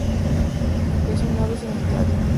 Es un ave sedentaria.